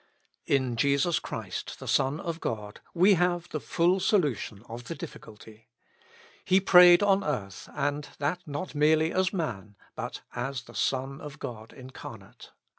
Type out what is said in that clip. ..." In Jesus Christ the Son of God we have the full solution of the difficulty. He prayed on earth, and that not merely as man, but as the Son of God incar nate.